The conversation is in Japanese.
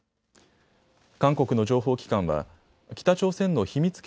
韓国の情報機関は、北朝鮮の秘密